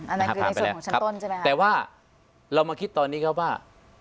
อันนั้นคือในส่วนของชั้นต้นใช่ไหมครับแต่ว่าเรามาคิดตอนนี้ครับว่า